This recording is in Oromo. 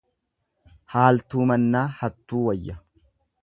Haaltuu mannaa hattuu wayya.